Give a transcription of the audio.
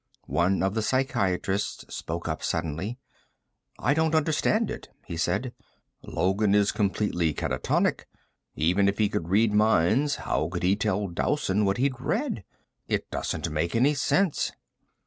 One of the psychiatrists spoke up suddenly. "I don't understand it," he said. "Logan is completely catatonic. Even if he could read minds, how could he tell Dowson what he'd read? It doesn't make sense."